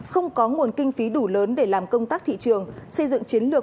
không có nguồn kinh phí đủ lớn để làm công tác thị trường xây dựng chiến lược